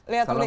lihat mudik ya